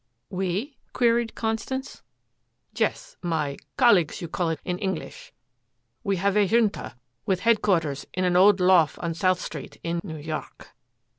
"We?" queried Constance. "Yes my colleagues you call it in English! We have already a Junta with headquarters in an old loft on South Street, in New York."